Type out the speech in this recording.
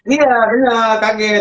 iya benar kaget